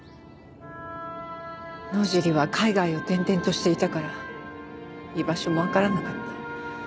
野尻は海外を転々としていたから居場所もわからなかった。